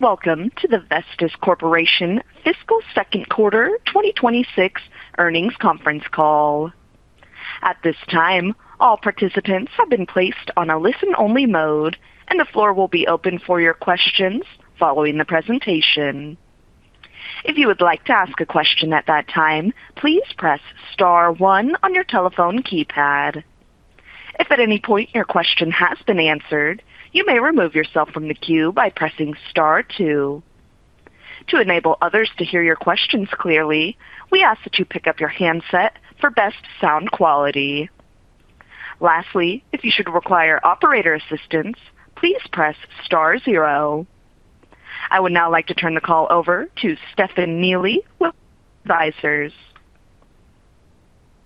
Welcome to the Vestis Corporation Fiscal Second Quarter 2026 earnings conference call. [At this time, all participants all participants have been placed on listen only mode. And the floor will be open for your question following the presentation. If you would like to ask the question at that time please press star one on your telephone keypad. If at any point your question has been answered you may remove yourself from the queue by pressing start two. To enable others to hear your questions clearly, we ask you to pick up your headset to best sound quality. Lastly, if you should require operator system, please press star zero.] I would now like to turn the call over to Stefan Neely with Investor Relations.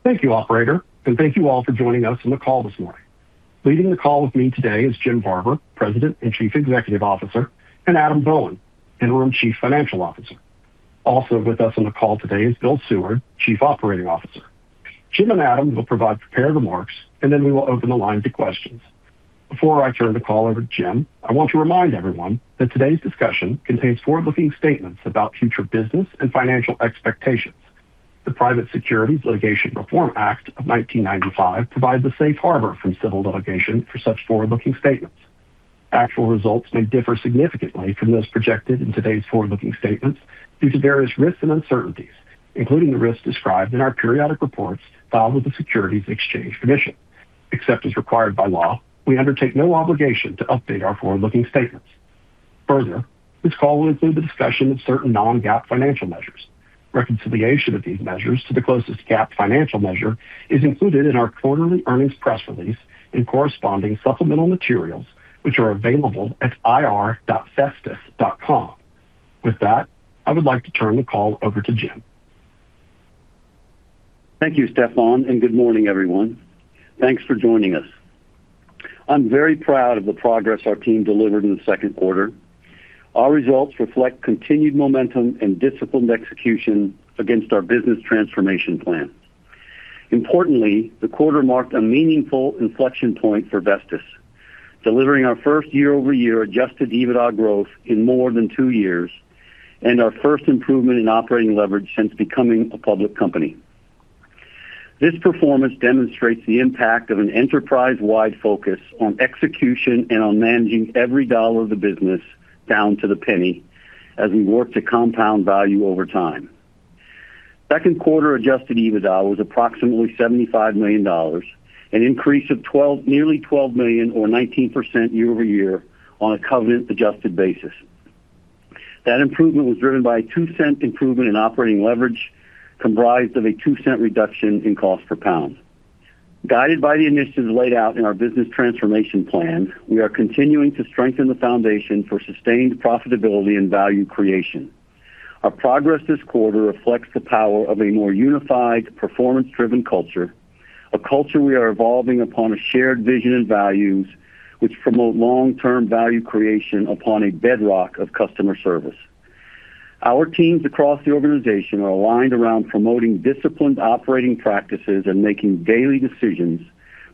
Thank you, operator, and thank you all for joining us on the call this morning. Leading the call with me today is Jim Barber, President and Chief Executive Officer, and Adam Bowen, Interim Chief Financial Officer. Also with us on the call today is Bill Seward, Chief Operating Officer. Jim and Adam will provide prepared remarks, and then we will open the line to questions. Before I turn the call over to Jim, I want to remind everyone that today's discussion contains forward-looking statements about future business and financial expectations. The Private Securities Litigation Reform Act of 1995 provides a safe harbor from civil litigation for such forward-looking statements. Actual results may differ significantly from those projected in today's forward-looking statements due to various risks and uncertainties, including the risks described in our periodic reports filed with the Securities Exchange Commission. Except as required by law, we undertake no obligation to update our forward-looking statements. Further, this call will include the discussion of certain non-GAAP financial measures. Reconciliation of these measures to the closest GAAP financial measure is included in our quarterly earnings press release and corresponding supplemental materials, which are available at ir.vestis.com. With that, I would like to turn the call over to Jim. Thank you, Stefan. Good morning, everyone. Thanks for joining us. I am very proud of the progress our team delivered in the second quarter. Our results reflect continued momentum and disciplined execution against our business transformation plan. Importantly, the quarter marked a meaningful inflection point for Vestis, delivering our first year-over-year adjusted EBITDA growth in more than 2 years and our first improvement in operating leverage since becoming a public company. This performance demonstrates the impact of an enterprise-wide focus on execution and on managing every dollar of the business down to the penny as we work to compound value over time. Second quarter adjusted EBITDA was approximately $75 million, an increase of nearly $12 million or 19% year-over-year on a covenant-adjusted basis. That improvement was driven by a $0.02 improvement in operating leverage, comprised of a $0.02 reduction in cost per pound. Guided by the initiatives laid out in our business transformation plan, we are continuing to strengthen the foundation for sustained profitability and value creation. Our progress this quarter reflects the power of a more unified, performance-driven culture, a culture we are evolving upon a shared vision and values which promote long-term value creation upon a bedrock of customer service. Our teams across the organization are aligned around promoting disciplined operating practices and making daily decisions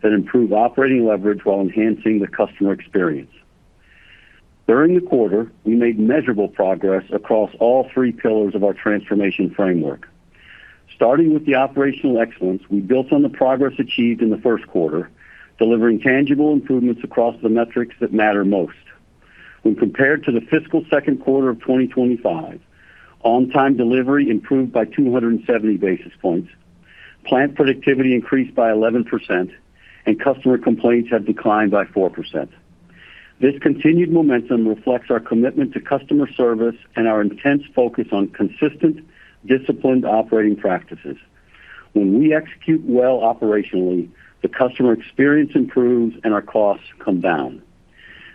that improve operating leverage while enhancing the customer experience. During the quarter, we made measurable progress across all three pillars of our transformation framework. Starting with the operational excellence, we built on the progress achieved in the first quarter, delivering tangible improvements across the metrics that matter most. When compared to the fiscal second quarter of 2025, on-time delivery improved by 270 basis points. Plant productivity increased by 11%, and customer complaints have declined by 4%. This continued momentum reflects our commitment to customer service and our intense focus on consistent, disciplined operating practices. When we execute well operationally, the customer experience improves, and our costs come down.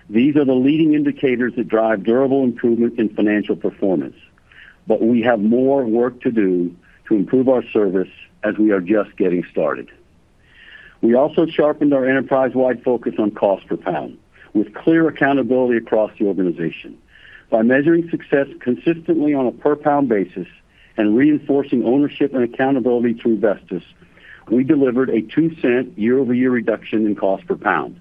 These are the leading indicators that drive durable improvement in financial performance, but we have more work to do to improve our service as we are just getting started. We also sharpened our enterprise-wide focus on cost per pound with clear accountability across the organization. By measuring success consistently on a per-pound basis and reinforcing ownership and accountability through Vestis, we delivered a $0.02 year-over-year reduction in cost per pound.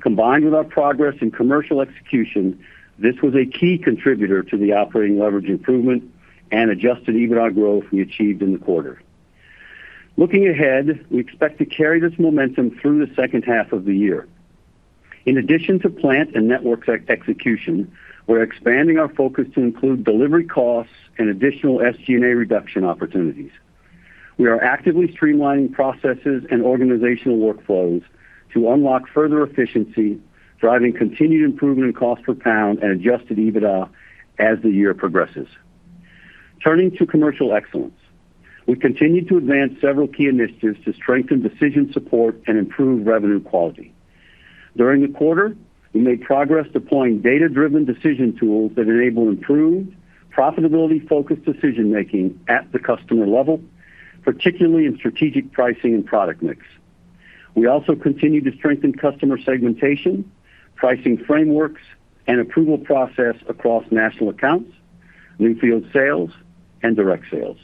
Combined with our progress in commercial execution, this was a key contributor to the operating leverage improvement and adjusted EBITDA growth we achieved in the quarter. Looking ahead, we expect to carry this momentum through the second half of the year. In addition to plant and network execution, we're expanding our focus to include delivery costs and additional SG&A reduction opportunities. We are actively streamlining processes and organizational workflows to unlock further efficiency, driving continued improvement in cost per pound and adjusted EBITDA as the year progresses. Turning to commercial excellence. We continue to advance several key initiatives to strengthen decision support and improve revenue quality. During the quarter, we made progress deploying data-driven decision tools that enable improved profitability-focused decision-making at the customer level, particularly in strategic pricing and product mix. We also continue to strengthen customer segmentation, pricing frameworks, and approval process across national accounts, newfield sales, and direct sales.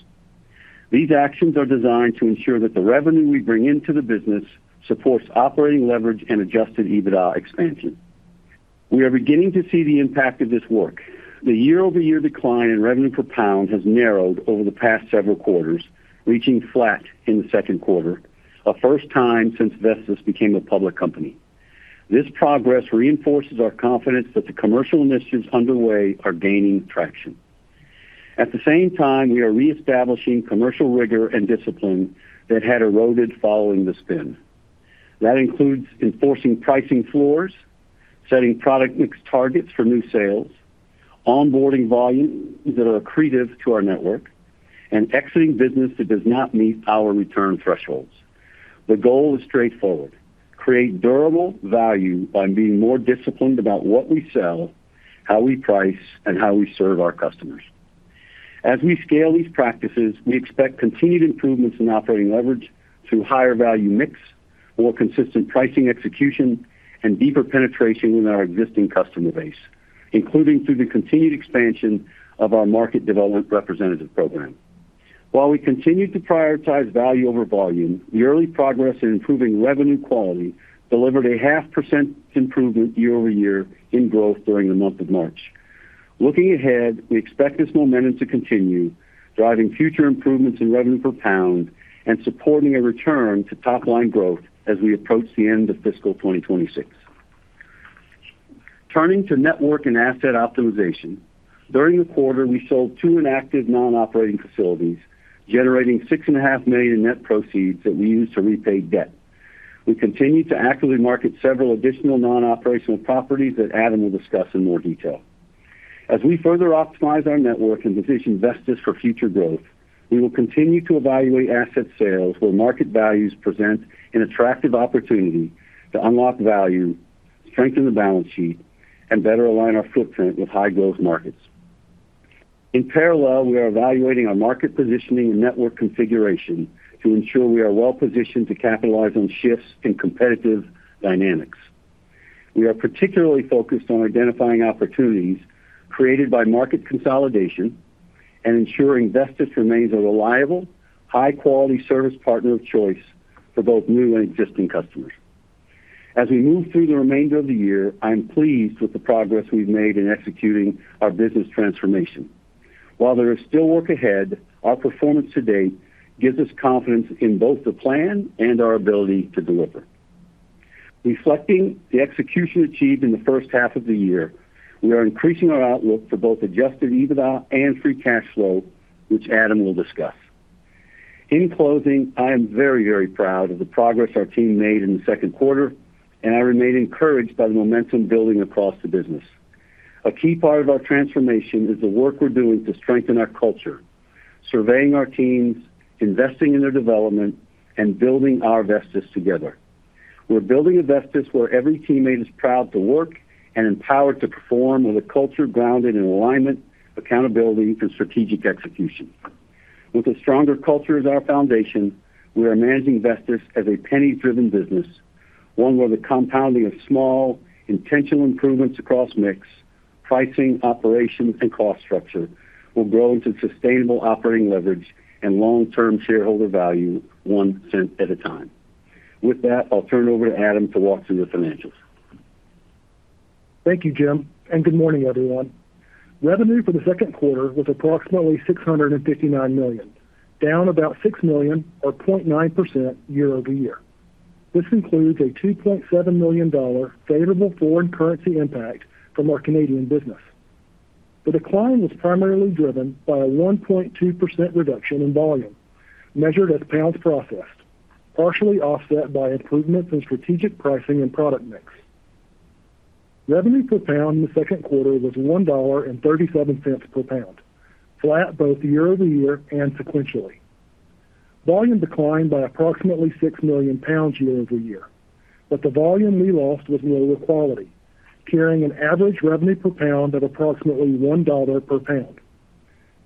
These actions are designed to ensure that the revenue we bring into the business supports operating leverage and adjusted EBITDA expansion. We are beginning to see the impact of this work. The year-over-year decline in revenue per pound has narrowed over the past several quarters, reaching flat in the second quarter, a first time since Vestis became a public company. This progress reinforces our confidence that the commercial initiatives underway are gaining traction. At the same time, we are reestablishing commercial rigor and discipline that had eroded following the spin. That includes enforcing pricing floors, setting product mix targets for new sales, onboarding volume that are accretive to our network, and exiting business that does not meet our return thresholds. The goal is straightforward: create durable value by being more disciplined about what we sell, how we price, and how we serve our customers. As we scale these practices, we expect continued improvements in operating leverage through higher value mix, more consistent pricing execution, and deeper penetration within our existing customer base, including through the continued expansion of our market development representative program. While we continue to prioritize value over volume, the early progress in improving revenue quality delivered a half percent improvement year-over-year in growth during the month of March. Looking ahead, we expect this momentum to continue, driving future improvements in revenue per pound and supporting a return to top-line growth as we approach the end of fiscal 2026. Turning to network and asset optimization. During the quarter, we sold 2 inactive non-operating facilities, generating $6.5 Million net proceeds that we used to repay debt. We continue to actively market several additional non-operational properties that Adam will discuss in more detail. As we further optimize our network and position Vestis for future growth, we will continue to evaluate asset sales where market values present an attractive opportunity to unlock value, strengthen the balance sheet, and better align our footprint with high-growth markets. In parallel, we are evaluating our market positioning and network configuration to ensure we are well-positioned to capitalize on shifts in competitive dynamics. We are particularly focused on identifying opportunities created by market consolidation and ensuring Vestis remains a reliable, high-quality service partner of choice for both new and existing customers. As we move through the remainder of the year, I am pleased with the progress we've made in executing our business transformation. While there is still work ahead, our performance to date gives us confidence in both the plan and our ability to deliver. Reflecting the execution achieved in the first half of the year, we are increasing our outlook for both adjusted EBITDA and free cash flow, which Adam will discuss. In closing, I am very, very proud of the progress our team made in the second quarter, and I remain encouraged by the momentum building across the business. A key part of our transformation is the work we're doing to strengthen our culture, surveying our teams, investing in their development, and building our Vestis together. We're building a Vestis where every teammate is proud to work and empowered to perform with a culture grounded in alignment, accountability, and strategic execution. With a stronger culture as our foundation, we are managing Vestis as a penny-driven business, one where the compounding of small intentional improvements across mix, pricing, operations, and cost structure will grow into sustainable operating leverage and long-term shareholder value $0.01 at a time. With that, I'll turn it over to Adam to walk through the financials. Thank you, Jim, and good morning, everyone. Revenue for the second quarter was approximately $659 million, down about $6 million or 0.9% year-over-year. This includes a $2.7 million favorable foreign currency impact from our Canadian business. The decline was primarily driven by a 1.2% reduction in volume, measured as pounds processed, partially offset by improvements in strategic pricing and product mix. Revenue per pound in the second quarter was $1.37 per pound, flat both year-over-year and sequentially. Volume declined by approximately 6 million pounds year-over-year, but the volume we lost was lower quality, carrying an average revenue per pound of approximately $1 per pound.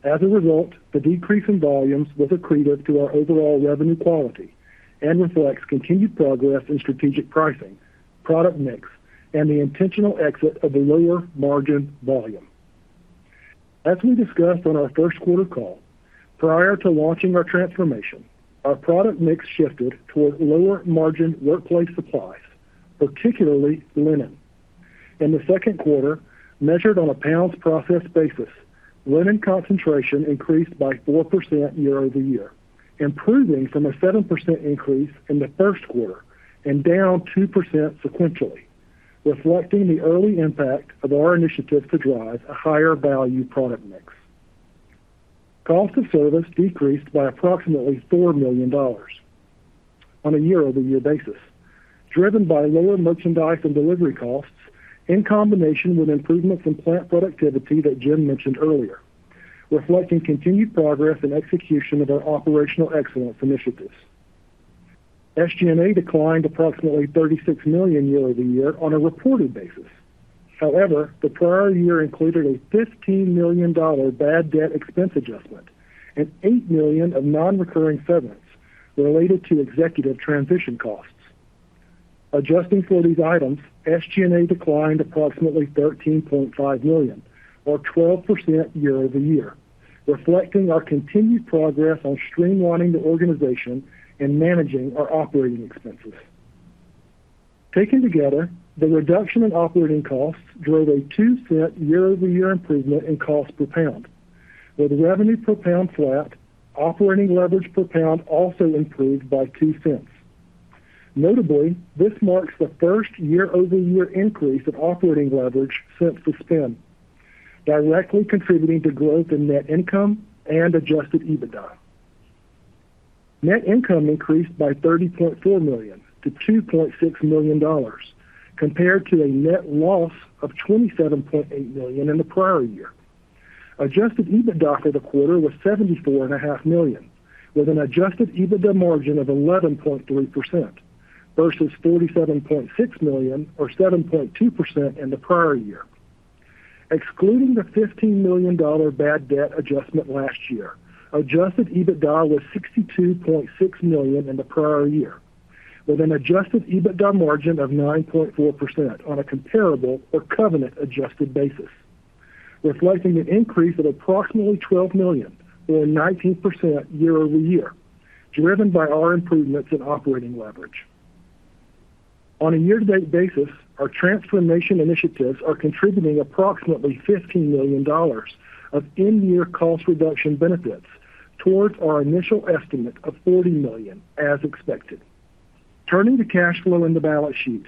As a result, the decrease in volumes was accretive to our overall revenue quality and reflects continued progress in strategic pricing, product mix, and the intentional exit of the lower margin volume. As we discussed on our first quarter call, prior to launching our transformation, our product mix shifted towards lower margin workplace supplies, particularly linen. In the second quarter, measured on a pounds processed basis, linen concentration increased by 4% year-over-year, improving from a 7% increase in the first quarter and down 2% sequentially, reflecting the early impact of our initiatives to drive a higher value product mix. Cost of service decreased by approximately $4 million on a year-over-year basis, driven by lower merchandise and delivery costs in combination with improvements in plant productivity that Jim mentioned earlier, reflecting continued progress and execution of our Operational Excellence Initiatives. SG&A declined approximately $36 million year-over-year on a reported basis. However, the prior year included a $15 million bad debt expense adjustment and $8 million of non-recurring severance related to executive transition costs. Adjusting for these items, SG&A declined approximately $13.5 million or 12% year-over-year, reflecting our continued progress on streamlining the organization and managing our operating expenses. Taken together, the reduction in operating costs drove a $0.02 year-over-year improvement in cost per pound. With revenue per pound flat, operating leverage per pound also improved by $0.02. Notably, this marks the first year-over-year increase of operating leverage since the spin, directly contributing to growth in net income and adjusted EBITDA. Net income increased by $30.4 million-$2.6 million compared to a net loss of $27.8 million in the prior year. Adjusted EBITDA for the quarter was $74.5 million, with an adjusted EBITDA margin of 11.3% versus $47.6 million or 7.2% in the prior year. Excluding the $15 million bad debt adjustment last year, adjusted EBITDA was $62.6 million in the prior year with an adjusted EBITDA margin of 9.4% on a comparable or covenant-adjusted basis, reflecting an increase of approximately $12 million or 19% year-over-year, driven by our improvements in operating leverage. On a year-to-date basis, our transformation initiatives are contributing approximately $15 million of in-year cost reduction benefits towards our initial estimate of $40 million, as expected. Turning to cash flow and the balance sheet.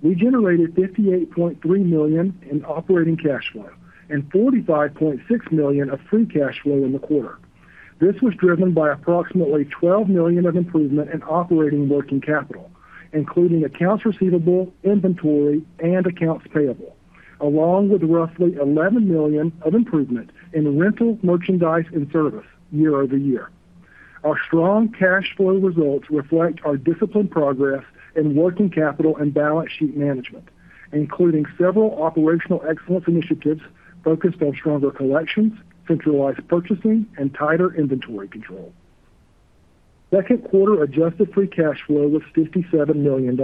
We generated $58.3 million in operating cash flow and $45.6 million of free cash flow in the quarter. This was driven by approximately $12 million of improvement in operating working capital, including accounts receivable, inventory, and accounts payable, along with roughly $11 million of improvement in rental merchandise and service year-over-year. Our strong cash flow results reflect our disciplined progress in working capital and balance sheet management, including several operational excellence initiatives focused on stronger collections, centralized purchasing, and tighter inventory control. Second quarter adjusted free cash flow was $57 million.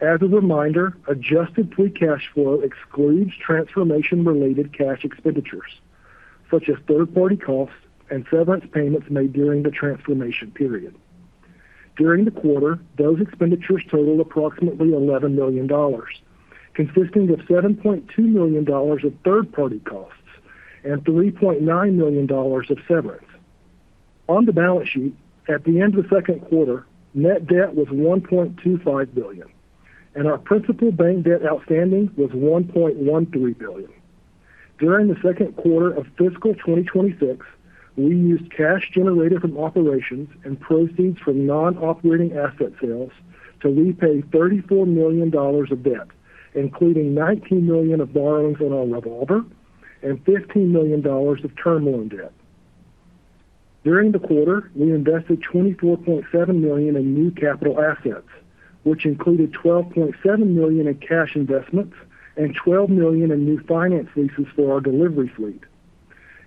As a reminder, adjusted free cash flow excludes transformation-related cash expenditures such as third-party costs and severance payments made during the transformation period. During the quarter, those expenditures totaled approximately $11 million, consisting of $7.2 million of third-party costs and $3.9 million of severance. On the balance sheet, at the end of the second quarter, net debt was $1.25 billion, and our principal bank debt outstanding was $1.13 billion. During the second quarter of fiscal 2026, we used cash generated from operations and proceeds from non-operating asset sales to repay $34 million of debt, including $19 million of borrowings on our revolver and $15 million of term loan debt. During the quarter, we invested $24.7 million in new capital assets, which included $12.7 million in cash investments and $12 million in new finance leases for our delivery fleet.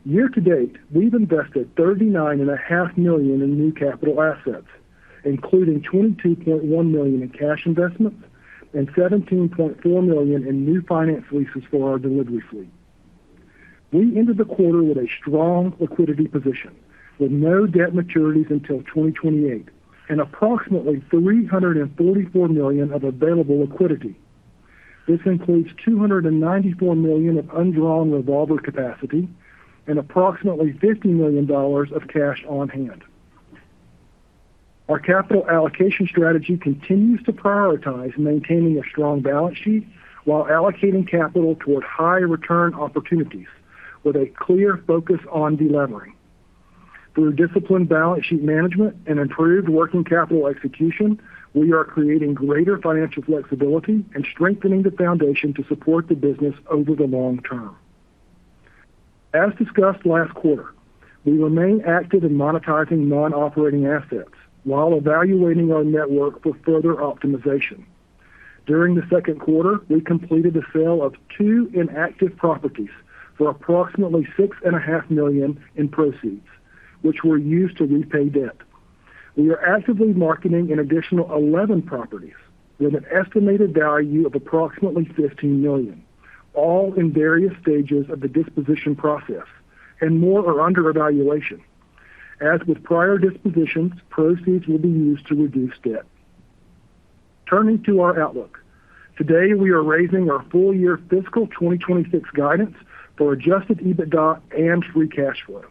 Year to date, we've invested $39.5 million in new capital assets, including $22.1 million in cash investments and $17.4 million in new finance leases for our delivery fleet. We ended the quarter with a strong liquidity position with no debt maturities until 2028 and approximately $344 million of available liquidity. This includes $294 million of undrawn revolver capacity and approximately $50 million of cash on hand. Our capital allocation strategy continues to prioritize maintaining a strong balance sheet while allocating capital toward high return opportunities with a clear focus on delevering. Through disciplined balance sheet management and improved working capital execution, we are creating greater financial flexibility and strengthening the foundation to support the business over the long term. As discussed last quarter, we remain active in monetizing non-operating assets while evaluating our network for further optimization. During the second quarter, we completed the sale of two inactive properties for approximately six and a half million in proceeds, which were used to repay debt. We are actively marketing an additional 11 properties with an estimated value of approximately $15 million, all in various stages of the disposition process, and more are under evaluation. As with prior dispositions, proceeds will be used to reduce debt. Turning to our outlook. Today, we are raising our full year fiscal 2026 guidance for adjusted EBITDA and free cash flow.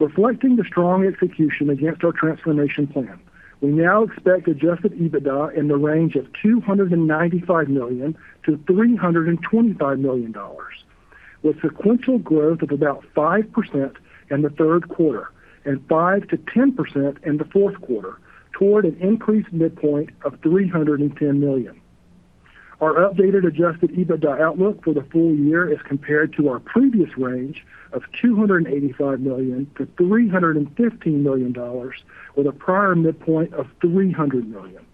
Reflecting the strong execution against our transformation plan, we now expect adjusted EBITDA in the range of $295 million-$325 million, with sequential growth of about 5% in the third quarter and 5%-10% in the fourth quarter toward an increased midpoint of $310 million. Our updated adjusted EBITDA outlook for the full year is compared to our previous range of $285 million-$315 million with a prior midpoint of $300 million.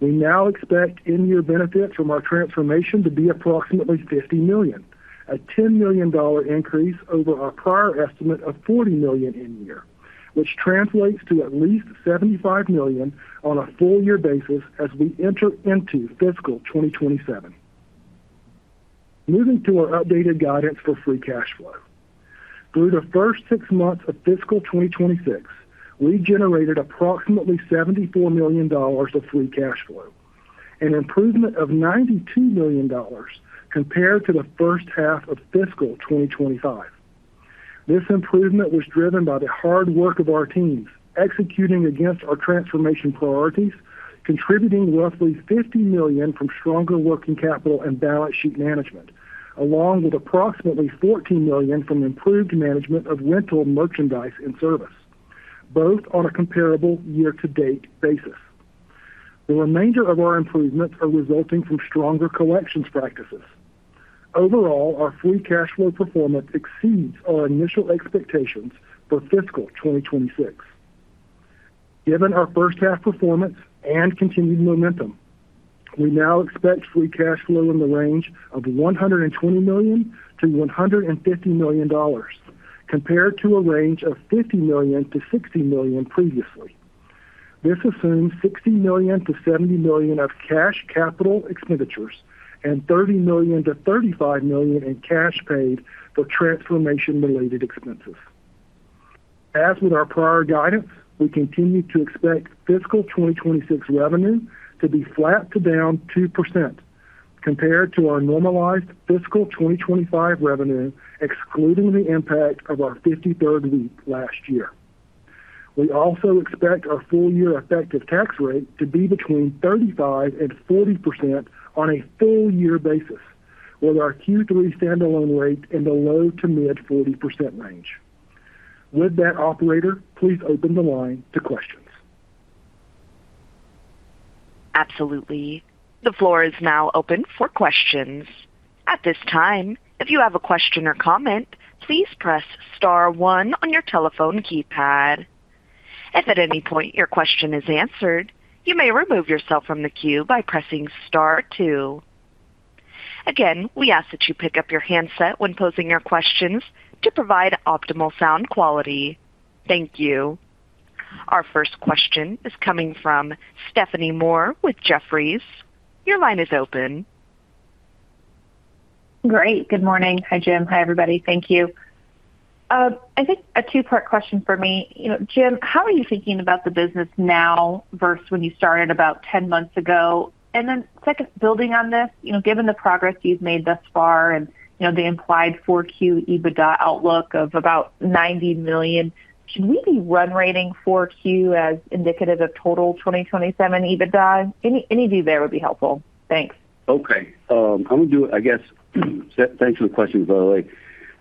We now expect in-year benefits from our transformation to be approximately $50 million. A $10 million dollar increase over our prior estimate of $40 million in year, which translates to at least $75 million on a full year basis as we enter into fiscal 2027. Moving to our updated guidance for free cash flow. Through the first six months of fiscal 2026, we generated approximately $74 million of free cash flow, an improvement of $92 million compared to the first half of fiscal 2025. This improvement was driven by the hard work of our teams executing against our transformation priorities, contributing roughly $50 million from stronger working capital and balance sheet management, along with approximately $14 million from improved management of rental merchandise and service, both on a comparable year-to-date basis. The remainder of our improvements are resulting from stronger collections practices. Overall, our free cash flow performance exceeds our initial expectations for fiscal 2026. Given our first half performance and continued momentum, we now expect free cash flow in the range of $120 million-$150 million, compared to a range of $50 million-$60 million previously. This assumes $60 million-$70 million of cash capital expenditures and $30 million-$35 million in cash paid for transformation-related expenses. As with our prior guidance, we continue to expect fiscal 2026 revenue to be flat to down 2% compared to our normalized fiscal 2025 revenue, excluding the impact of our 53rd week last year. We also expect our full year effective tax rate to be between 35% and 40% on a full year basis, with our Q3 standalone rate in the low to mid 40% range. With that, operator, please open the line to questions. Absolutely. The floor is now open for questions. At this time, if you have a question or comment, please press star one on your telephone keypad. If at any point your question is answered, you may remove yourself from the queue by pressing star two. Again, we ask that you pick up your handset when posing your questions to provide optimal sound quality. Thank you. Our first question is coming from Stephanie Moore with Jefferies. Your line is open. Great. Good morning. Hi, Jim. Hi, everybody. Thank you. I think a two-part question for me. You know, Jim, how are you thinking about the business now versus when you started about 10 months ago? Second, building on this, you know, given the progress you've made thus far and, you know, the implied 4Q EBITDA outlook of about $90 million, should we be run rating 4Q as indicative of total 2027 EBITDA? Any view there would be helpful. Thanks. Okay. I'm gonna do, I guess, thanks for the question,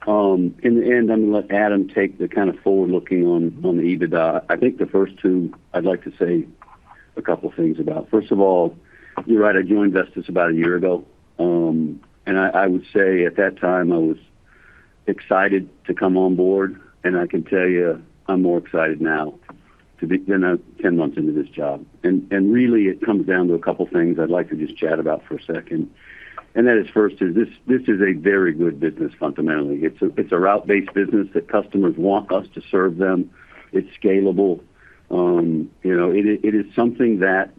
Violet. In the end, I'm gonna let Adam take the kind of forward looking on the EBITDA. I think the first two I'd like to say a couple of things about. First of all, you're right, I joined Vestis about a year ago. I would say at that time I was excited to come on board, and I can tell you I'm more excited now to be, you know, 10 months into this job. Really it comes down to a couple of things I'd like to just chat about for a second. That is first is this is a very good business fundamentally. It's a route-based business that customers want us to serve them. It's scalable. you know, it is something that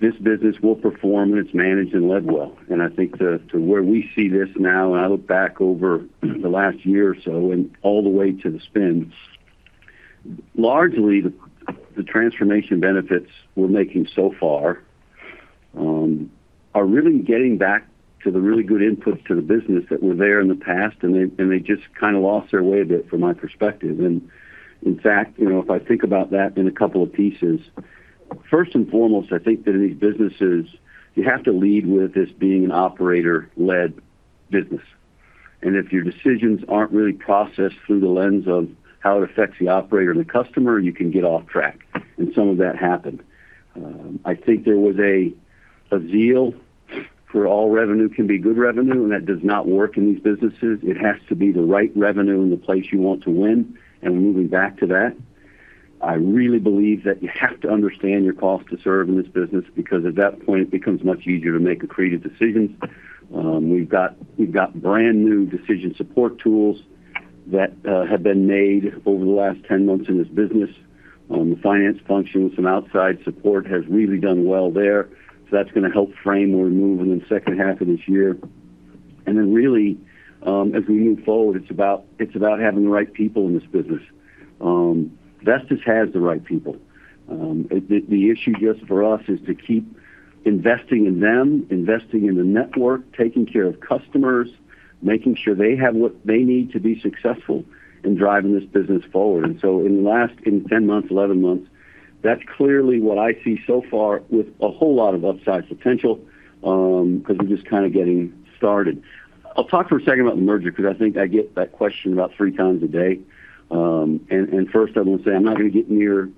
this business will perform, and it's managed and led well. I think to where we see this now, and I look back over the last year or so and all the way to the spins, largely the transformation benefits we're making so far, are really getting back to the really good inputs to the business that were there in the past, and they just kind of lost their way a bit from my perspective. In fact, you know, if I think about that in a couple of pieces, first and foremost, I think that in these businesses you have to lead with this being an operator-led business. If your decisions aren't really processed through the lens of how it affects the operator and the customer, you can get off track. Some of that happened. I think there was a zeal for all revenue can be good revenue, and that does not work in these businesses. It has to be the right revenue in the place you want to win. We're moving back to that. I really believe that you have to understand your cost to serve in this business because at that point it becomes much easier to make accretive decisions. We've got brand-new decision support tools that have been made over the last 10 months in this business. The finance function with some outside support has really done well there. That's gonna help frame where we move in the second half of this year. Really, as we move forward, it's about having the right people in this business. Vestis has the right people. The issue just for us is to keep investing in them, investing in the network, taking care of customers, making sure they have what they need to be successful in driving this business forward. In the last 10 months, 11 months, that's clearly what I see so far with a whole lot of upside potential, because we're just kind of getting started. I'll talk for a second about the merger because I think I get that question about three times a day. First I want to say I'm not going to get near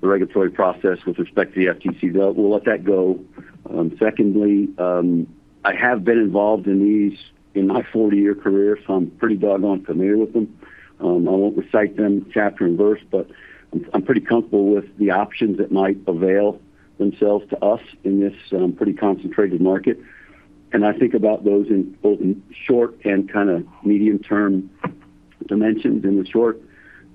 the regulatory process with respect to the FTC. We'll let that go. Secondly, I have been involved in these in my 40-year career, so I'm pretty doggone familiar with them. I won't recite them chapter and verse, but I'm pretty comfortable with the options that might avail themselves to us in this pretty concentrated market. I think about those in both in short and kinda medium-term dimensions. In the short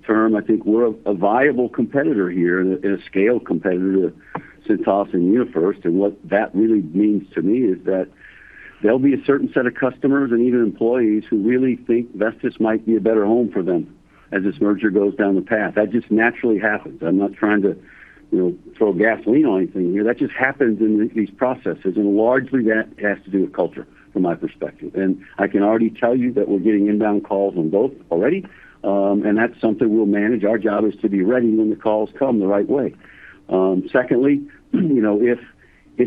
term, I think we're a viable competitor here and a scale competitor to Synthes and UniFirst. What that really means to me is that there'll be a certain set of customers and even employees who really think Vestis might be a better home for them as this merger goes down the path. That just naturally happens. I'm not trying to, you know, throw gasoline on anything here. That just happens in these processes, and largely that has to do with culture from my perspective. I can already tell you that we're getting inbound calls on both already, and that's something we'll manage. Our job is to be ready when the calls come the right way. Secondly, you know, if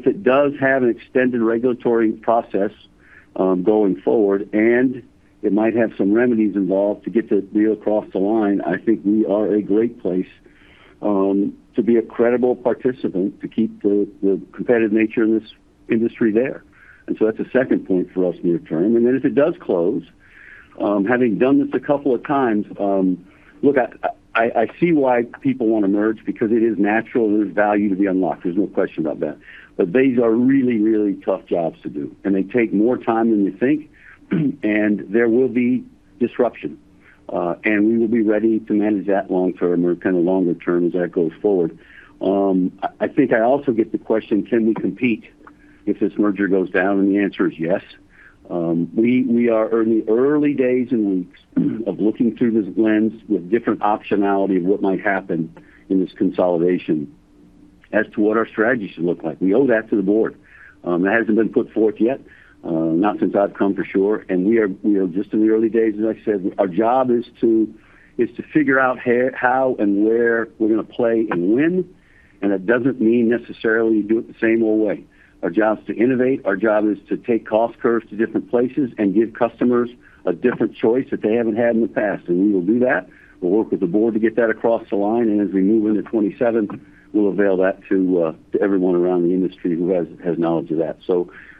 it does have an extended regulatory process, going forward and it might have some remedies involved to get this deal across the line, I think we are a great place, to be a credible participant to keep the competitive nature of this industry there. That's a second point for us near term. If it does close, having done this a couple of times, look, I see why people wanna merge because it is natural and there's value to be unlocked. There's no question about that. These are really, really tough jobs to do, and they take more time than you think, and there will be disruption. We will be ready to manage that long term or kind of longer term as that goes forward. I think I also get the question, can we compete if this merger goes down? The answer is yes. We are in the early days and weeks of looking through this lens with different optionality of what might happen in this consolidation as to what our strategy should look like. We owe that to the board. That hasn't been put forth yet, not since I've come for sure, and we are, you know, just in the early days. As I said, our job is to figure out how and where we're gonna play and when, and that doesn't mean necessarily do it the same old way. Our job is to innovate. Our job is to take cost curves to different places and give customers a different choice that they haven't had in the past, and we will do that. We'll work with the board to get that across the line, and as we move into 2027, we'll avail that to everyone around the industry who has knowledge of that.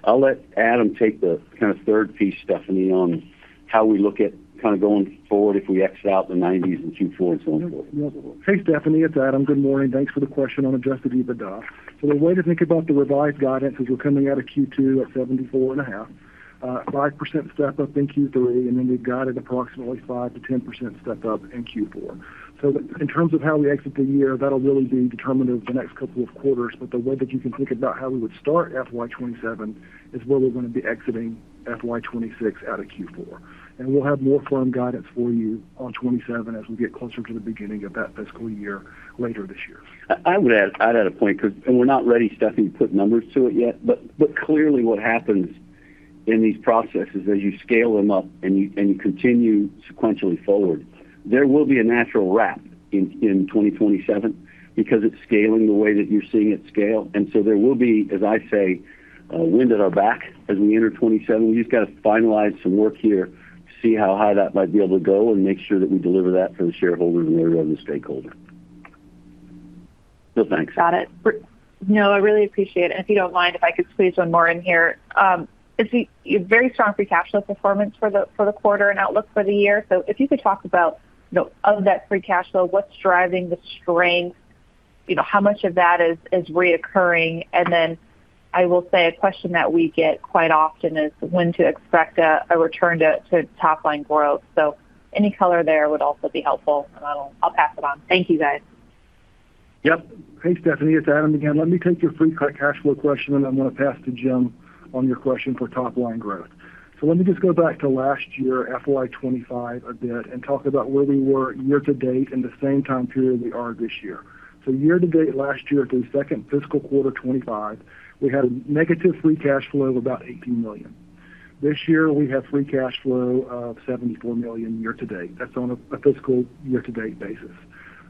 I'll let Adam take the kinda third piece, Stephanie, on how we look at kinda going forward if we exit out the nineties and Q4 and so on and so forth. Hey, Stephanie. It's Adam. Good morning. Thanks for the question on adjusted EBITDA. The way to think about the revised guidance is we're coming out of Q2 at 74.5. 5% step-up in Q3, and then we've got an approximately 5%-10% step-up in Q4. In terms of how we exit the year, that'll really be determined over the next couple of quarters, but the way that you can think about how we would start FY 2027 is where we're gonna be exiting FY 2026 out of Q4. We'll have more firm guidance for you on 2027 as we get closer to the beginning of that fiscal year later this year. I would add, I'd add a point 'cause we're not ready, Stephanie, to put numbers to it yet, but clearly what happens in these processes, as you scale them up and you continue sequentially forward, there will be a natural wrap in 2027 because it's scaling the way that you're seeing it scale. There will be, as I say, a wind at our back as we enter 2027. We've just gotta finalize some work here to see how high that might be able to go and make sure that we deliver that for the shareholders and everyone, the stakeholder. Thanks. Got it. No, I really appreciate it. If you don't mind, if I could squeeze one more in here. It's a very strong free cash flow performance for the quarter and outlook for the year. If you could talk about, you know, of that free cash flow, what's driving the strength? You know, how much of that is recurring? I will say a question that we get quite often is when to expect a return to top-line growth. Any color there would also be helpful, and I'll pass it on. Thank you, guys. Yep. Hey, Stephanie. It's Adam again. Let me take your free cash flow question, and then I'm gonna pass to Jim on your question for top-line growth. Let me just go back to last year, FY 2025 a bit, and talk about where we were year to date in the same time period we are this year. Year to date last year through second fiscal quarter 2025, we had a negative free cash flow of about $18 million. This year we have free cash flow of $74 million year to date. That's on a fiscal year to date basis.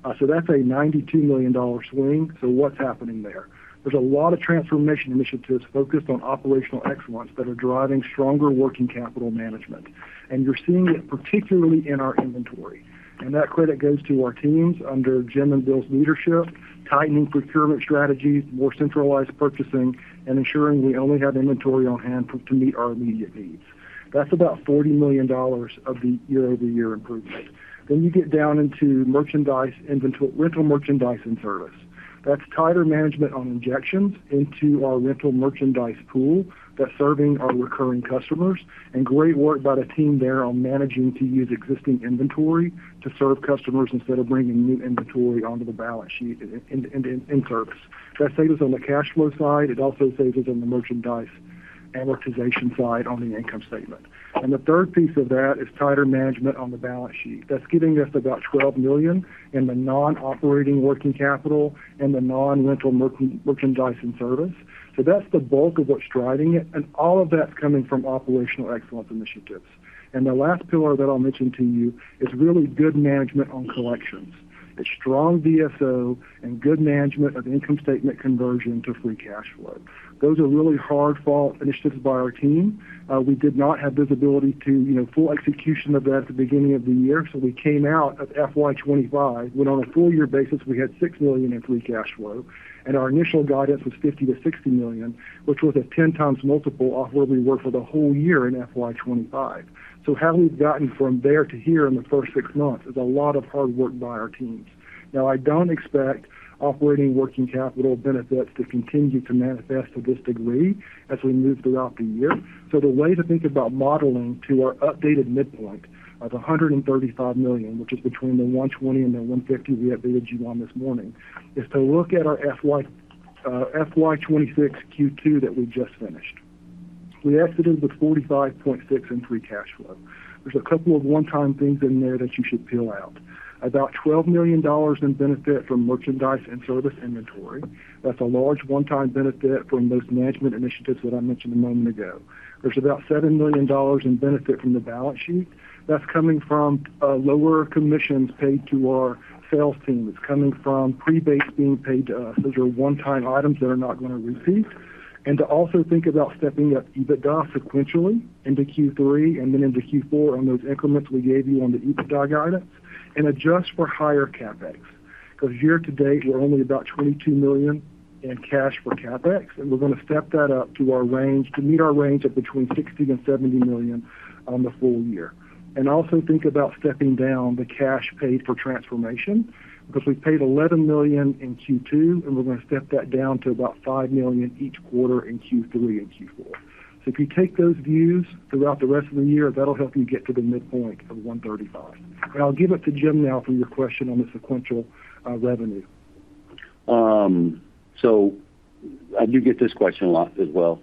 That's a $92 million swing, so what's happening there? There's a lot of transformation initiatives focused on operational excellence that are driving stronger working capital management, and you're seeing it particularly in our inventory. That credit goes to our teams under Jim and Bill's leadership, tightening procurement strategies, more centralized purchasing, and ensuring we only have inventory on hand for, to meet our immediate needs. That's about $40 million of the year-over-year improvement. You get down into merchandise rental merchandise and service. That's tighter management on injections into our rental merchandise pool that's serving our recurring customers, and great work by the team there on managing to use existing inventory to serve customers instead of bringing new inventory onto the balance sheet in service. That saves on the cash flow side. It also saves us on the merchandise amortization side on the income statement. The third piece of that is tighter management on the balance sheet. That's giving us about $12 million in the non-operating working capital and the non-rental merchandising service. That's the bulk of what's driving it and all of that coming from operational excellence initiatives. The last pillar that I'll mention to you is really good management on collections. It's strong DSO and good management of income statement conversion to free cash flow. Those are really hard-fought initiatives by our team. We did not have visibility to, you know, full execution of that at the beginning of the year, so we came out of FY 2025 when on a full year basis we had $6 million in free cash flow and our initial guidance was $50 million-$60 million, which was a 10 times multiple off where we were for the whole year in FY 2025. How we've gotten from there to here in the first six months is a lot of hard work by our teams. Now I don't expect operating working capital benefits to continue to manifest to this degree as we move throughout the year. The way to think about modeling to our updated midpoint of $135 million, which is between the 120 and the 150 we had bid you on this morning, is to look at our FY 2026 Q2 that we just finished. We exited with 45.6 in free cash flow. There's a couple of one-time things in there that you should peel out. About $12 million in benefit from merchandise and service inventory. That's a large one-time benefit from those management initiatives that I mentioned a moment ago. There's about $7 million in benefit from the balance sheet. That's coming from lower commissions paid to our sales team. It's coming from pre-base being paid to us. Those are one-time items that are not gonna repeat. To also think about stepping up EBITDA sequentially into Q3 and then into Q4 on those increments we gave you on the EBITDA guidance, and adjust for higher CapEx. 'Cause year-to-date, we're only about $22 million in cash for CapEx, and we're gonna step that up to our range to meet our range of between $60 million and $70 million on the full year. Also think about stepping down the cash paid for transformation, because we paid $11 million in Q2, and we're gonna step that down to about $5 million each quarter in Q3 and Q4. If you take those views throughout the rest of the year, that'll help you get to the midpoint of 135. I'll give it to Jim now for your question on the sequential revenue. I do get this question a lot as well.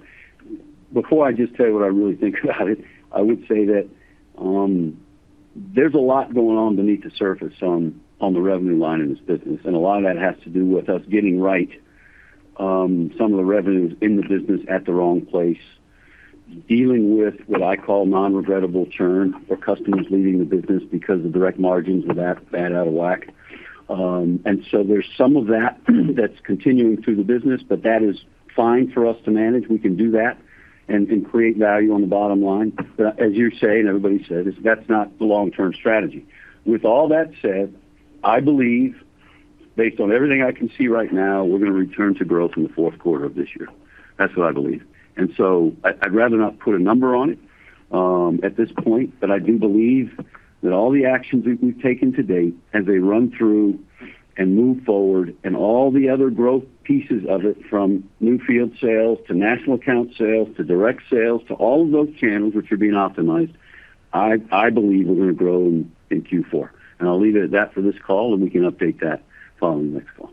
Before I just tell you what I really think about it, I would say that there's a lot going on beneath the surface on the revenue line in this business, and a lot of that has to do with us getting right some of the revenues in the business at the wrong place, dealing with what I call non-regrettable churn or customers leaving the business because the direct margins are that bad out of whack. There's some of that that's continuing through the business, but that is fine for us to manage. We can do that and create value on the bottom line. As you say, and everybody said, is that's not the long-term strategy. With all that said, I believe based on everything I can see right now, we're gonna return to growth in the fourth quarter of this year. That's what I believe. I'd rather not put a number on it at this point, but I do believe that all the actions that we've taken to date as they run through and move forward, and all the other growth pieces of it, from new field sales to national account sales to direct sales to all of those channels which are being optimized, I believe we're gonna grow in Q4. I'll leave it at that for this call, and we can update that following the next call.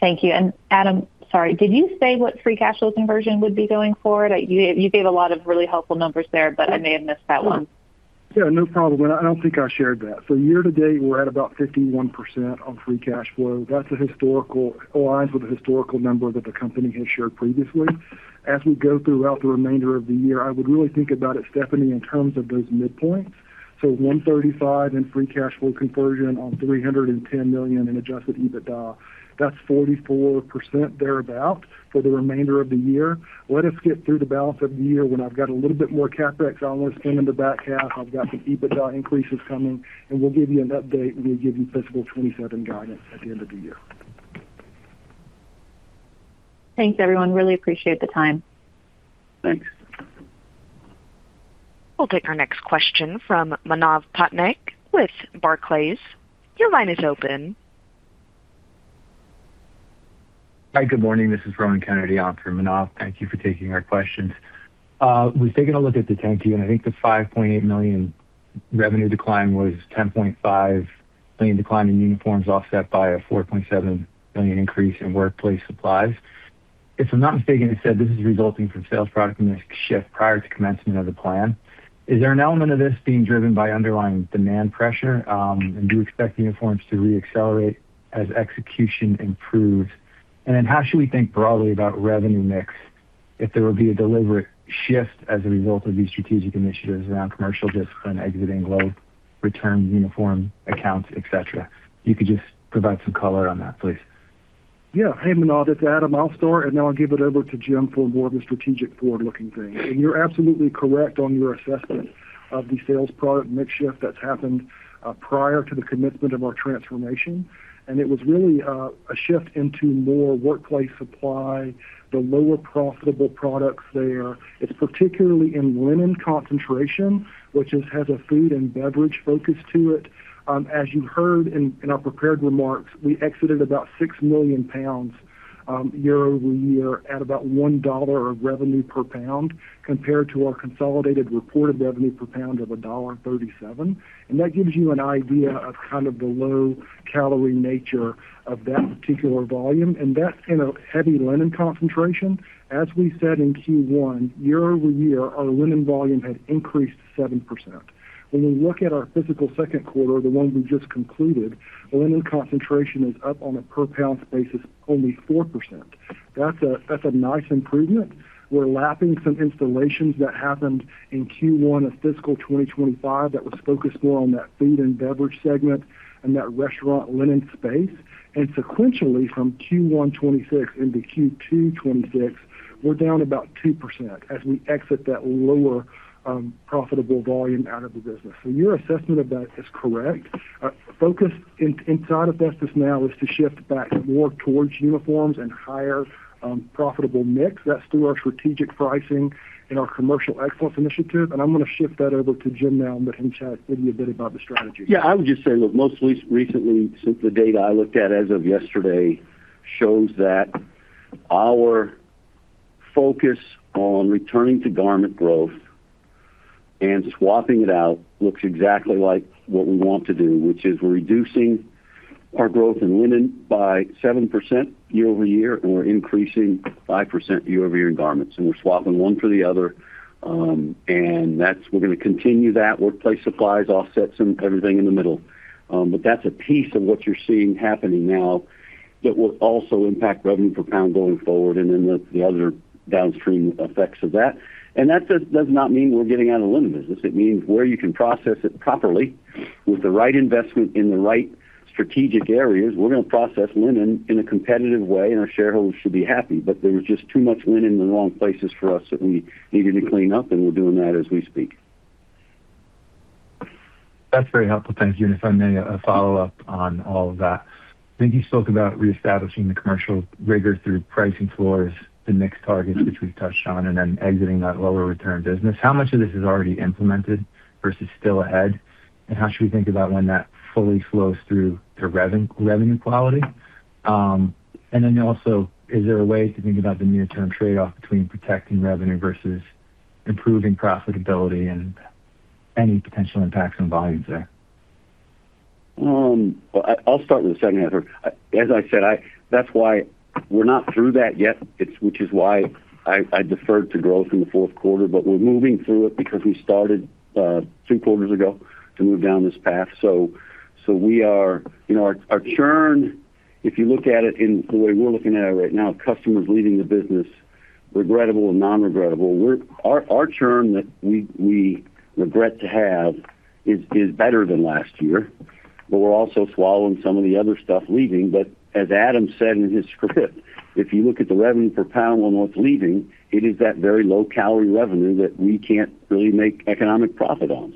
Thank you. Adam, sorry, did you say what free cash flow conversion would be going forward? You gave a lot of really helpful numbers there, but I may have missed that one. Yeah, no problem. I don't think I shared that. Year-to-date, we're at about 51% on free cash flow. That's a historical aligns with the historical number that the company has shared previously. As we go throughout the remainder of the year, I would really think about it, Stephanie, in terms of those midpoints. 135 in free cash flow conversion on $310 million in adjusted EBITDA. That's 44% thereabout for the remainder of the year. Let us get through the balance of the year when I've got a little bit more CapEx. I wanna swing in the back half. I've got some EBITDA increases coming, and we'll give you an update when we give you fiscal 2027 guidance at the end of the year. Thanks, everyone. Really appreciate the time. Thanks. We'll take our next question from Manav Patnaik with Barclays. Your line is open. Hi, good morning. This is Ronan Kennedy on for Manav. Thank you for taking our questions. I was taking a look at the 10-Q, and I think the $5.8 million revenue decline was $10.5 million decline in uniforms offset by a $4.7 million increase in workplace supplies. If I'm not mistaken, it said this is resulting from sales product mix shift prior to commencement of the plan. Is there an element of this being driven by underlying demand pressure? Do you expect uniforms to re-accelerate as execution improves? How should we think broadly about revenue mix if there would be a deliberate shift as a result of these strategic initiatives around commercial discipline, exiting low return uniform accounts, et cetera? If you could just provide some color on that, please. Yeah. Hey, Manav. It's Adam. I'll start, and then I'll give it over to Jim for more of the strategic forward-looking things. You're absolutely correct on your assessment of the sales product mix shift that's happened prior to the commencement of our transformation. It was really a shift into more workplace supply, the lower profitable products there. It's particularly in linen concentration, which has a food and beverage focus to it. As you heard in our prepared remarks, we exited about 6 million pounds year-over-year at about $1 of revenue per pound compared to our consolidated reported revenue per pound of $1.37. That gives you an idea of kind of the low-calorie nature of that particular volume, and that's in a heavy linen concentration. As we said in Q1, year-over-year, our linen volume had increased 7%. When we look at our fiscal second quarter, the one we just concluded, linen concentration is up on a per pound basis only 4%. That's a nice improvement. We're lapping some installations that happened in Q1 of fiscal 2025 that was focused more on that food and beverage segment and that restaurant linen space. Sequentially, from Q1 '2026 into Q2 '2026, we're down about 2% as we exit that lower profitable volume out of the business. Your assessment of that is correct. Our focus inside of this business now is to shift back more towards uniforms and higher profitable mix. That's through our strategic pricing and our commercial excellence initiative. I'm gonna shift that over to Jim now and let him chat with you a bit about the strategy. Yeah. I would just say, look, most recently, since the data I looked at as of yesterday shows that our focus on returning to garment growth and swapping it out looks exactly like what we want to do, which is reducing our growth in linen by 7% year-over-year, and we're increasing 5% year-over-year in garments. We're swapping one for the other, and that's, we're gonna continue that. Workplace supplies offsets and everything in the middle. That's a piece of what you're seeing happening now that will also impact revenue per pound going forward and then the other downstream effects of that. That does not mean we're getting out of the linen business. It means where you can process it properly with the right investment in the right strategic areas, we're gonna process linen in a competitive way, and our shareholders should be happy. There was just too much linen in the wrong places for us that we needed to clean up, and we're doing that as we speak. That's very helpful. Thank you. If I may, follow up on all of that. I think you spoke about reestablishing the commercial rigor through pricing floors, the mix targets, which we've touched on, and then exiting that lower return business. How much of this is already implemented versus still ahead? How should we think about when that fully flows through to revenue quality? Then also, is there a way to think about the near-term trade-off between protecting revenue versus improving profitability and any potential impacts on volumes there? Well, I'll start with the second answer. As I said, that's why we're not through that yet. Which is why I deferred to growth in the fourth quarter. We're moving through it because we started two quarters ago to move down this path. We are, you know, our churn, if you look at it in the way we're looking at it right now, customers leaving the business, regrettable and non-regrettable, our churn that we regret to have is better than last year, we're also swallowing some of the other stuff leaving. As Adam said in his script, if you look at the revenue per pound on what's leaving, it is that very low-calorie revenue that we can't really make economic profit on.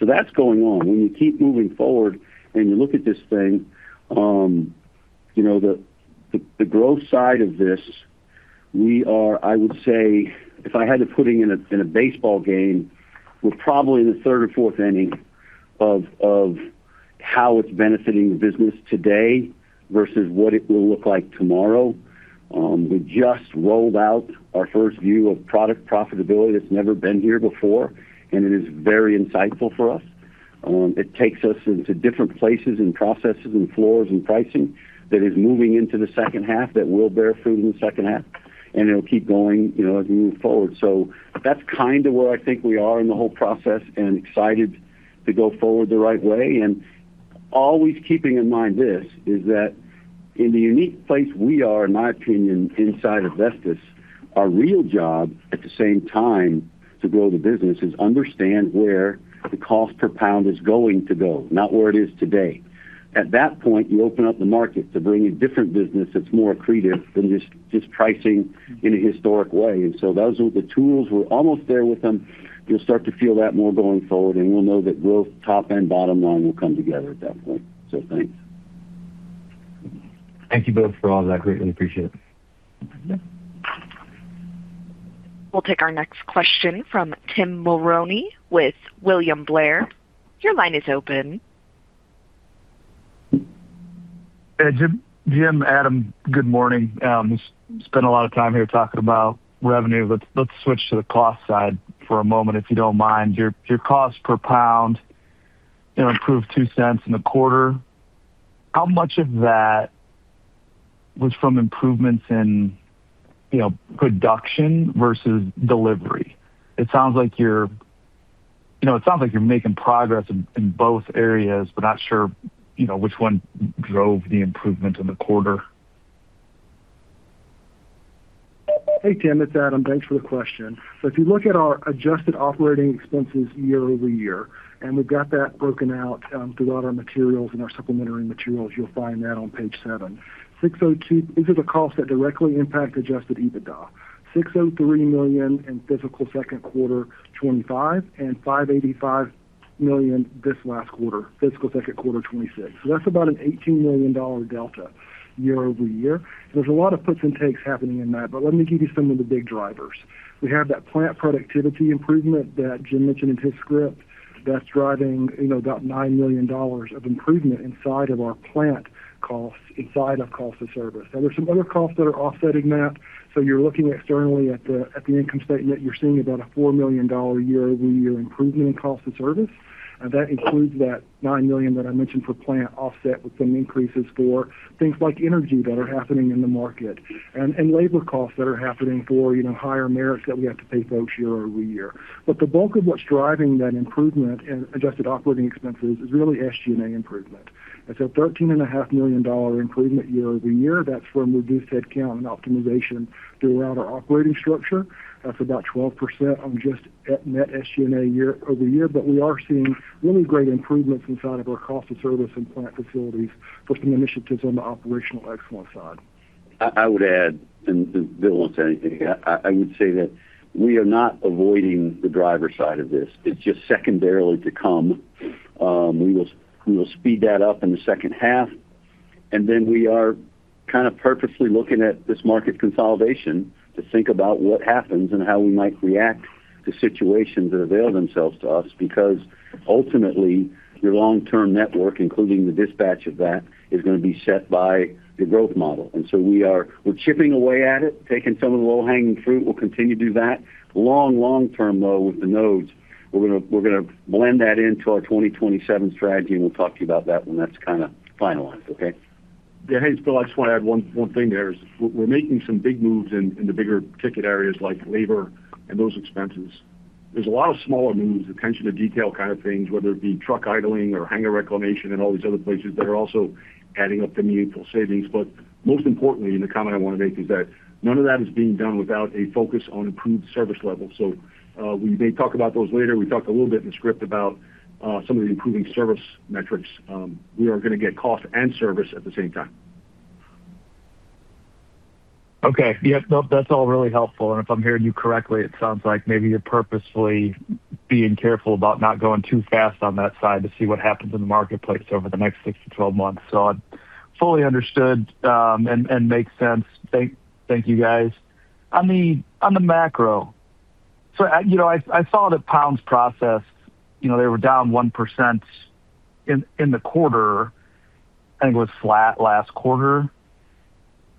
That's going on. When you keep moving forward and you look at this thing, you know, the, the growth side of this, we are, I would say, if I had to put it in a, in a baseball game, we're probably in the third or fourth inning of how it's benefiting the business today versus what it will look like tomorrow. We just rolled out our first view of product profitability that's never been here before, and it is very insightful for us. It takes us into different places and processes and floors and pricing that is moving into the second half, that will bear fruit in the second half, and it'll keep going, you know, as we move forward. That's kind of where I think we are in the whole process and excited to go forward the right way. Always keeping in mind this, is that in the unique place we are, in my opinion, inside of Vestis, our real job at the same time to grow the business is understand where the cost per pound is going to go, not where it is today. At that point, you open up the market to bring in different business that's more accretive than just pricing in a historic way. Those are the tools. We're almost there with them. You'll start to feel that more going forward, and we'll know that growth top and bottom line will come together at that point. Thanks. Thank you both for all that. Greatly appreciate it. Yeah. We'll take our next question from Tim Mulrooney with William Blair. Your line is open. Jim, Adam, good morning. Spent a lot of time here talking about revenue. Let's switch to the cost side for a moment, if you don't mind. Your cost per pound, you know, improved $0.02 in the quarter. How much of that was from improvements in, you know, production versus delivery? It sounds like you're, you know, making progress in both areas, but not sure, you know, which one drove the improvement in the quarter. Hey, Tim, it's Adam. Thanks for the question. If you look at our adjusted operating expenses year-over-year, and we've got that broken out throughout our materials. In our supplementary materials, you'll find that on page seven. 6.2, these are the costs that directly impact adjusted EBITDA. $6.3 million in fiscal second quarter 2025 and $585 million this last quarter, fiscal second quarter 2026. That's about an $18 million delta year-over-year. There's a lot of puts and takes happening in that, but let me give you some of the big drivers. We have that plant productivity improvement that Jim mentioned in his script. That's driving, you know, about $9 million of improvement inside of our plant costs, inside of cost of service. There's some other costs that are offsetting that, you're looking externally at the income statement. You're seeing about a $4 million year-over-year improvement in cost of service. That includes that $9 million that I mentioned for plant offset with some increases for things like energy that are happening in the market and labor costs that are happening for, you know, higher merits that we have to pay folks year-over-year. The bulk of what's driving that improvement in adjusted operating expenses is really SG&A improvement. It's a $13.5 million improvement year-over-year. That's from reduced headcount and optimization throughout our operating structure. That's about 12% on just at net SG&A year-over-year. We are seeing really great improvements inside of our cost of service and plant facilities for some initiatives on the operational excellence side. I would add, and Bill won't say anything, I would say that we are not avoiding the driver side of this. It's just secondarily to come. We will speed that up in the second half. Then we are kind of purposely looking at this market consolidation to think about what happens and how we might react to situations that avail themselves to us because ultimately, your long-term network, including the dispatch of that, is going to be set by the growth model. So we're chipping away at it, taking some of the low-hanging fruit. We'll continue to do that. Long term, though, with the nodes, we're gonna blend that into our 2027 strategy, and we'll talk to you about that when that's kind of finalized, okay? Yeah. Hey, it's Bill, I just want to add one thing there is we're making some big moves in the bigger ticket areas like labor and those expenses. There's a lot of smaller moves, attention to detail kind of things, whether it be truck idling or hanger reclamation and all these other places that are also adding up to meaningful savings. Most importantly, and the comment I want to make is that none of that is being done without a focus on improved service levels. We may talk about those later. We talked a little bit in the script about some of the improving service metrics. We are gonna get cost and service at the same time. Okay. Yeah, no, that's all really helpful. If I'm hearing you correctly, it sounds like maybe you're purposefully being careful about not going too fast on that side to see what happens in the marketplace over the next 6 to 12 months. fully understood, and makes sense. Thank you, guys. On the macro, I, you know, I saw that pounds processed, you know, they were down 1% in the quarter. I think it was flat last quarter.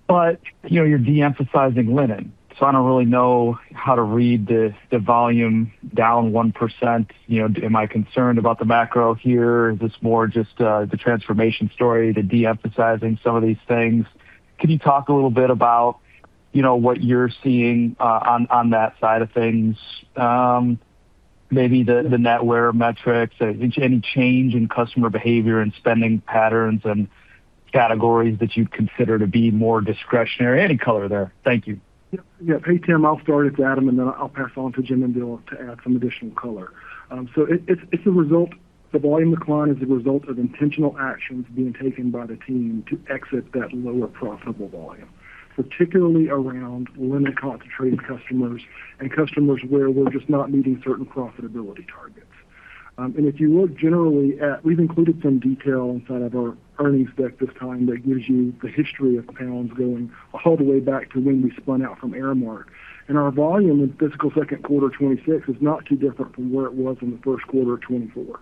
you know, you're de-emphasizing linen, so I don't really know how to read the volume down 1%. You know, am I concerned about the macro here? Is this more just the transformation story, the de-emphasizing some of these things? Can you talk a little bit about, you know, what you're seeing on that side of things? Maybe the net wear metrics, any change in customer behavior and spending patterns and categories that you'd consider to be more discretionary? Any color there. Thank you. Yeah. Hey, Tim. I'll start. It's Adam, and then I'll pass on to Jim and Bill to add some additional color. The volume decline is a result of intentional actions being taken by the team to exit that lower profitable volume, particularly around linen-concentrated customers and customers where we're just not meeting certain profitability targets. We've included some detail inside of our earnings deck this time that gives you the history of pounds going all the way back to when we spun out from Aramark. Our volume in fiscal second quarter 2026 is not too different from where it was in the first quarter of 2024.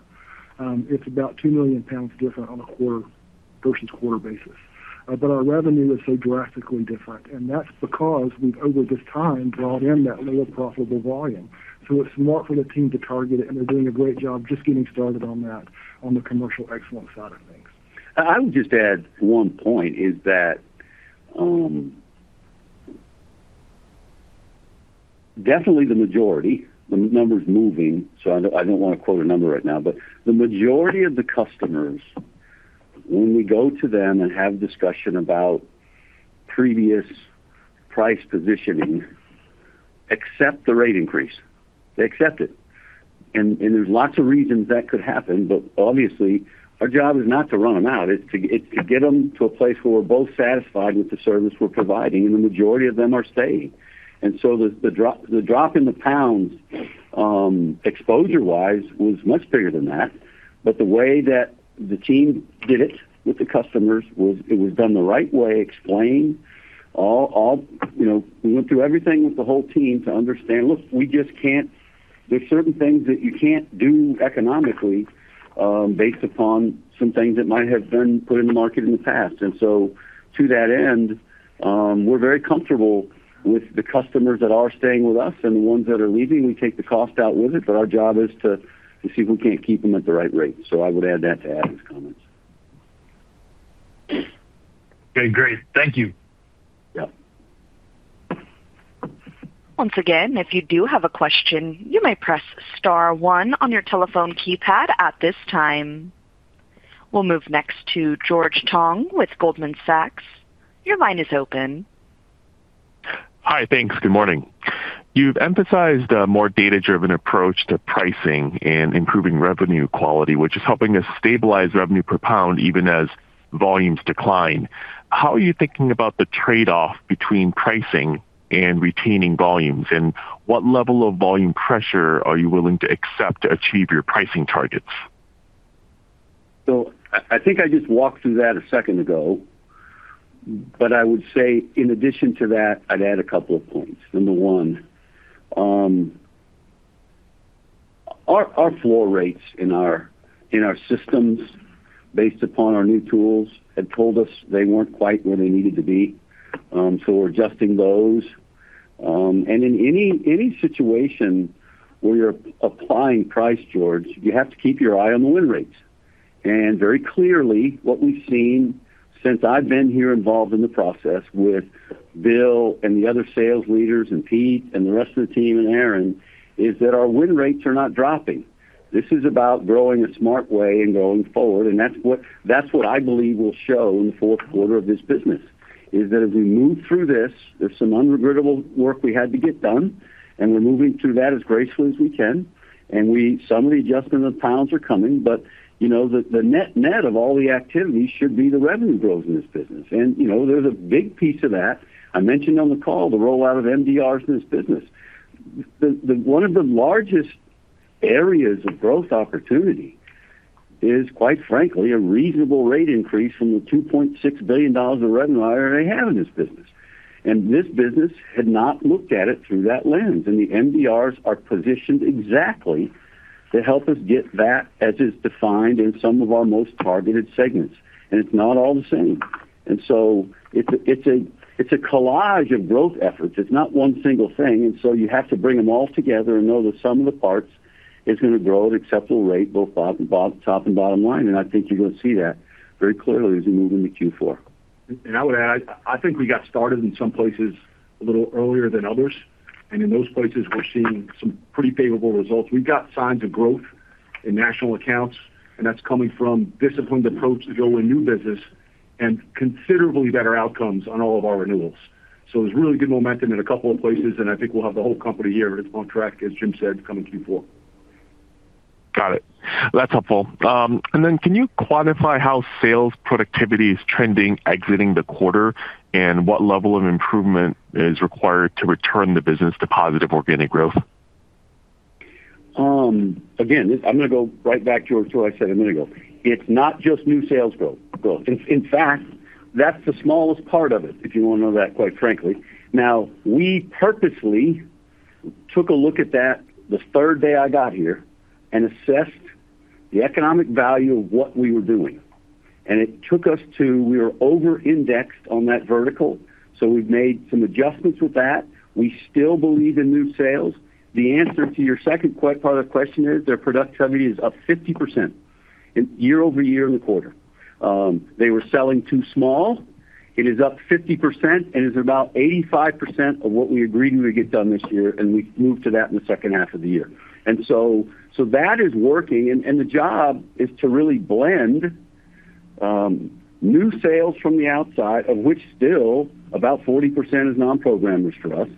It's about 2 million pounds different on a quarter-versus-quarter basis. our revenue is so drastically different, and that's because we've, over this time, drawn down that lower profitable volume. It's smart for the team to target it, and they're doing a great job just getting started on that, on the commercial excellence side of things. I would just add one point, is that, definitely the majority, the number's moving, so I don't want to quote a number right now. The majority of the customers, when we go to them and have discussion about previous price positioning, accept the rate increase. They accept it. There's lots of reasons that could happen. Obviously, our job is not to run them out. It's to get them to a place where we're both satisfied with the service we're providing, and the majority of them are staying. The drop in the pounds exposure-wise was much bigger than that. the way that the team did it with the customers was it was done the right way, explained all, you know, we went through everything with the whole team to understand, look, we just can't. There's certain things that you can't do economically based upon some things that might have been put in the market in the past. To that end, we're very comfortable with the customers that are staying with us. The ones that are leaving, we take the cost out with it, but our job is to see if we can't keep them at the right rate. I would add that to Adam's comments. Okay. Great. Thank you. Yeah. Once again, if you do have a question, you may press star one on your telephone keypad at this time. We'll move next to George Tong with Goldman Sachs. Your line is open. Hi. Thanks. Good morning. You've emphasized a more data-driven approach to pricing and improving revenue quality, which is helping us stabilize revenue per pound even as volumes decline. How are you thinking about the trade-off between pricing and retaining volumes, and what level of volume pressure are you willing to accept to achieve your pricing targets? I think I just walked through that a second ago. I would say in addition to that, I'd add a couple of points. Number one, our floor rates in our systems based upon our new tools had told us they weren't quite where they needed to be. We're adjusting those. In any situation where you're applying price, George, you have to keep your eye on the win rates. Very clearly, what we've seen since I've been here involved in the process with Bill and the other sales leaders and Pete and the rest of the team and Aaron, is that our win rates are not dropping. This is about growing a smart way and going forward, and that's what I believe will show in the fourth quarter of this business, is that as we move through this, there's some unregrettable work we had to get done, and we're moving through that as gracefully as we can. Some of the adjustments in pounds are coming, but, you know, the net net of all the activities should be the revenue growth in this business. You know, there's a big piece of that. I mentioned on the call the rollout of MDRs in this business. One of the largest areas of growth opportunity is quite frankly a reasonable rate increase from the $2.6 billion of revenue I already have in this business. This business had not looked at it through that lens, and the MDRs are positioned exactly to help us get that as is defined in some of our most targeted segments. It's not all the same. It's a collage of growth efforts. It's not one single thing. You have to bring them all together and know that some of the parts is gonna grow at acceptable rate, both top and bottom line. I think you're gonna see that very clearly as we move into Q4. I would add, I think we got started in some places a little earlier than others, and in those places we're seeing some pretty favorable results. We've got signs of growth in national accounts, and that's coming from disciplined approach to grow in new business and considerably better outcomes on all of our renewals. There's really good momentum in a couple of places, and I think we'll have the whole company here on track, as Jim said, coming to Q4. Got it. That's helpful. Can you quantify how sales productivity is trending exiting the quarter, and what level of improvement is required to return the business to positive organic growth? Again, I'm gonna go right back to what I said a minute ago. It's not just new sales growth. In fact, that's the smallest part of it, if you wanna know that, quite frankly. We purposely took a look at that the third day I got here and assessed the economic value of what we were doing. It took us to we were over-indexed on that vertical, so we've made some adjustments with that. We still believe in new sales. The answer to your second part of the question is their productivity is up 50% in year-over-year in the quarter. They were selling too small. It is up 50%, and it's about 85% of what we agreed we would get done this year, and we moved to that in the second half of the year. That is working, and the job is to really blend new sales from the outside, of which still about 40% is non-programmed for us.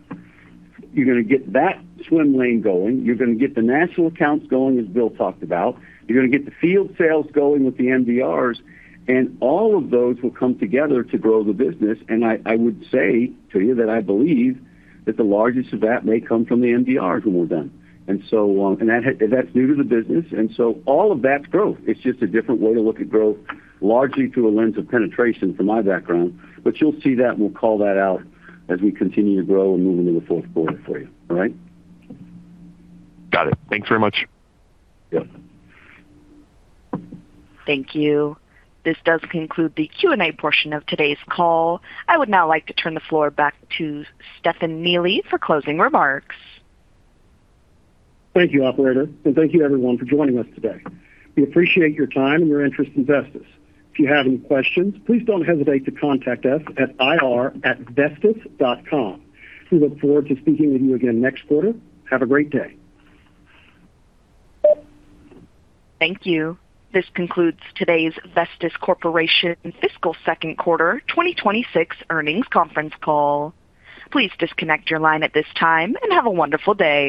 You're gonna get that swim lane going. You're gonna get the national accounts going, as Bill talked about. You're gonna get the field sales going with the MDRs, and all of those will come together to grow the business. I would say to you that I believe that the largest of that may come from the MDRs when we're done. That's new to the business, and all of that's growth. It's just a different way to look at growth, largely through a lens of penetration from my background. You'll see that, and we'll call that out as we continue to grow and move into the fourth quarter for you. All right? Got it. Thanks very much. Yep. Thank you. This does conclude the Q&A portion of today's call. I would now like to turn the floor back to Stefan Neely for closing remarks. Thank you, operator, and thank you everyone for joining us today. We appreciate your time and your interest in Vestis. If you have any questions, please don't hesitate to contact us at ir@vestis.com. We look forward to speaking with you again next quarter. Have a great day. Thank you. This concludes today's Vestis Corporation Fiscal Second Quarter 2026 earnings conference call. Please disconnect your line at this time and have a wonderful day.